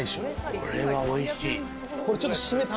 これはおいしい。